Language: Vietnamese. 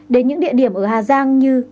đến những địa điểm ở hà giang như